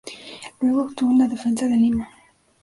Luego actuó en la defensa de Lima.